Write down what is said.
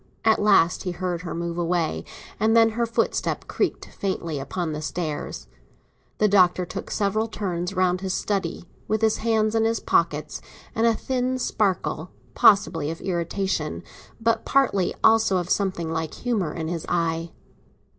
At last he heard her move away, and then her footstep creaked faintly upon the stairs. The Doctor took several turns round his study, with his hands in his pockets, and a thin sparkle, possibly of irritation, but partly also of something like humour, in his eye.